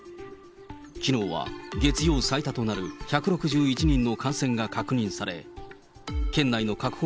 きのうは月曜最多となる１６１人の感染が確認され、県内の確保